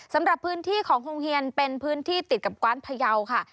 สำหรับพื้นที่ของโฮงเฮียนเป็นพื้นที่ติดกับกว้านพยาวค่ะ